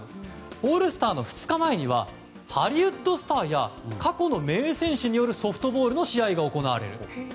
オールスターの２日前にはハリウッドスターや過去の名選手によるソフトボールの試合が行われます。